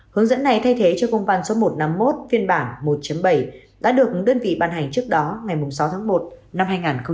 hướng dẫn này thay thế cho công văn số một trăm năm mươi một phiên bản một bảy đã được đơn vị ban hành trước đó ngày sáu tháng một năm hai nghìn hai mươi